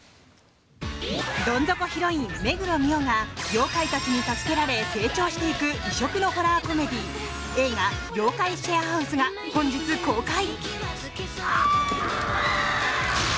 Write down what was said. どん底ヒロイン目黒澪が妖怪たちに助けられ成長していく異色のホラーコメディー映画「妖怪シェアハウス」が本日公開。